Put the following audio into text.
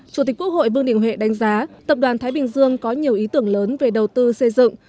chủ tịch quốc hội vương đình huệ đánh giá tập đoàn thái bình dương có nhiều ý tưởng lớn về đầu tư xây dựng